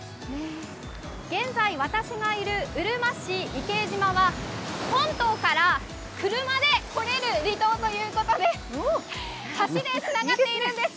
現在私がいるうるま市伊計島は本島から車で来れる離島ということで橋でつながっているんです。